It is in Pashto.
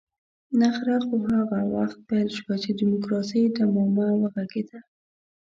نخره خو هغه وخت پيل شوه چې د ډيموکراسۍ ډمامه وغږېده.